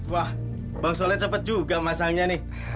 wah bang solet cepet juga masangnya nih